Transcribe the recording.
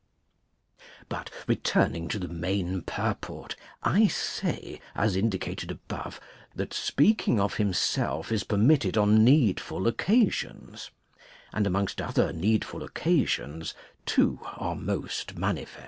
But, returning to the main purport, I say, as indicated above, that speaking of himself is per mitted on needful occasions ; and amongst other needful occasions two are most manifest.